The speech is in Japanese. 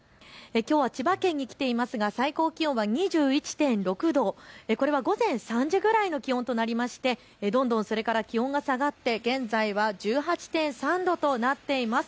きょうは千葉県に来ていますが最高気温は２１．６度、これは午前３時ぐらいの気温となりまして、どんどんそれから気温が下がって現在は１８．３度となっています。